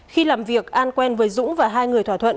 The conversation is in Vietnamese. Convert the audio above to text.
khi làm việc an quen với dũng và hai người thỏa thuận